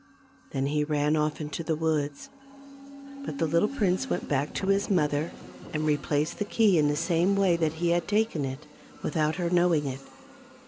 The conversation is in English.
Then he ran off into the woods. But the little prince went back to his mother and replaced the key in the same way that he had taken it, without her knowing it.